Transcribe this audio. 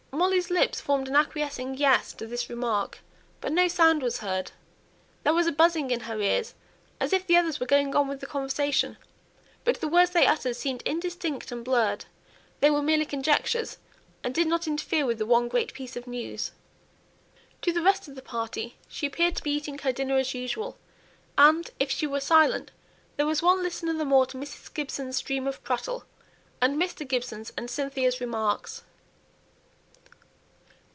Molly's lips formed an acquiescing "yes" to this remark, but no sound was heard. There was a buzzing in her ears as if the others were going on with the conversation, but the words they uttered seemed indistinct and blurred; they were merely conjectures, and did not interfere with the one great piece of news. To the rest of the party she appeared to be eating her dinner as usual, and, if she were silent, there was one listener the more to Mrs. Gibson's stream of prattle, and Mr. Gibson's and Cynthia's remarks.